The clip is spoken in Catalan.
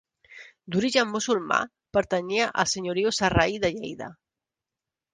D'origen musulmà pertanyia al senyoriu sarraí de Lleida.